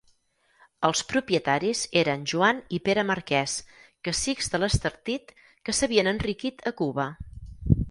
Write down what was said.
Els propietaris eren Joan i Pere Marquès, cacics de l'Estartit que s'havien enriquit a Cuba.